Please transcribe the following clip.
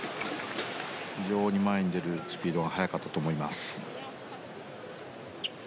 非常に前に出るスピードが速かったと思います。